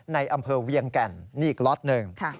ในอำเภอเวียงแก่นนี่อีกล็อตหนึ่ง